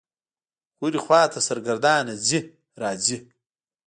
خو هرې خوا ته سرګردانه څي رڅي.